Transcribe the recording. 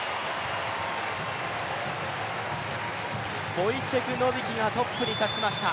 ボイチェク・ノビキがトップに立ちました。